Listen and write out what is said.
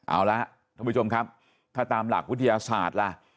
เอาละท่านผู้ชมครับถ้าตามหลักวิทยาศาสตร์ล่ะ